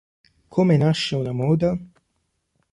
Come nasce una moda?